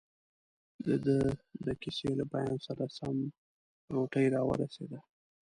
دده د کیسې له بیان سره سم، روټۍ راورسېده.